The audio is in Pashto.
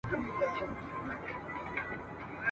د پسرلیو له سبا به ترانې وي وني ..